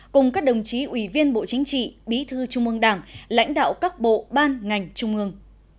cùng các đồng chí ủy viên bộ chính trị bí thư trung ương đảng lãnh đạo các bộ ban ngành trung ương